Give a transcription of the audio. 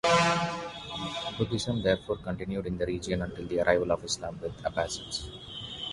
Buddhism therefore continued in the region until the arrival of Islam with the Abbasids.